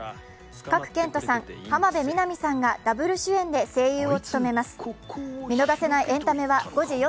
賀来賢人さん、浜辺美波さんがダブル主演で声優を務めます。